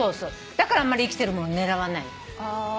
だからあんまり生きてるもの狙わないの。